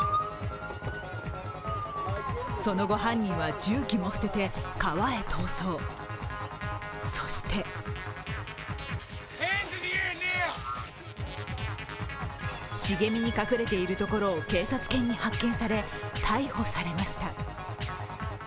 その後、犯人は重機も捨てて川へ逃走、そして茂みに隠れているところを警察犬に発見され逮捕されました。